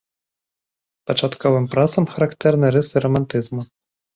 Пачатковым працам характэрны рысы рамантызму.